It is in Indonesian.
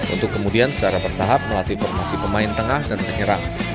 untuk kemudian secara bertahap melatih formasi pemain tengah dan penyerang